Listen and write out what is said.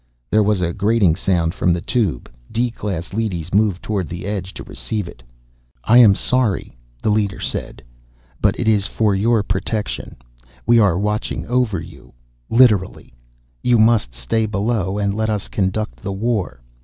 There was a grating sound from the Tube. D class leadys moved toward the edge to receive it. "I am sorry," the leader said, "but it is for your protection. We are watching over you, literally. You must stay below and let us conduct the war.